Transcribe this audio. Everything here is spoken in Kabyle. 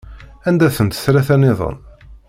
Anda-tent tlata-nniḍen?